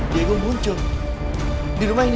dia gue muncul di rumah ini